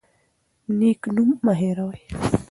نیک نوم مه هیروئ.